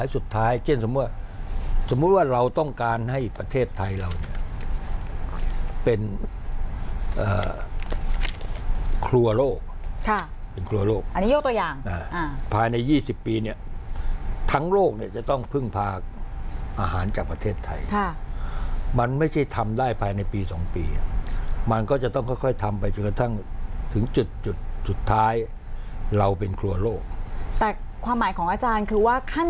สุดท้ายเช่นสมมุติว่าเราต้องการให้ประเทศไทยเราเนี่ยเป็นครัวโลกเป็นครัวโลกอันนี้ยกตัวอย่างภายใน๒๐ปีเนี่ยทั้งโลกเนี่ยจะต้องพึ่งพาอาหารจากประเทศไทยมันไม่ใช่ทำได้ภายในปี๒ปีมันก็จะต้องค่อยทำไปจนกระทั่งถึงจุดจุดสุดท้ายเราเป็นครัวโลกแต่ความหมายของอาจารย์คือว่าขั้น